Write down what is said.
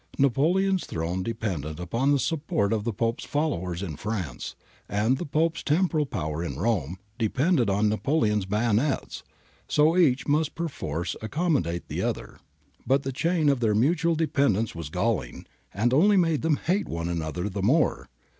Napoleon's throne depended on the support of the Pope's followers in France, and the Pope's temporal power in Rome depended on Napoleon's bayonets, so each must perforce accommodate the other. But the chain of their mutual dependence was galling, and only made them hate one another the more.